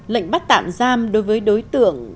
lệnh bắt tạm giam đối với đối tượng